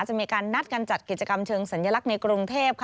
จะมีการนัดการจัดกิจกรรมเชิงสัญลักษณ์ในกรุงเทพ